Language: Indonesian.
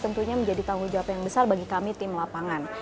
tentunya menjadi tanggung jawab yang besar bagi kami tim lapangan